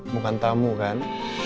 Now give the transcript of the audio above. bukan tamu kan